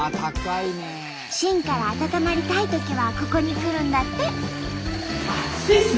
しんから温まりたいときはここに来るんだって。